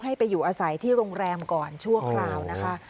ให้ไปอยู่อาศัยที่โรงแรมก่อนชั่วคราวนะคะ